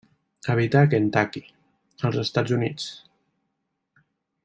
Habita a Kentucky, als Estats Units.